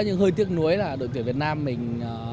những hơi tiếc nuối là đội tuyển việt nam mình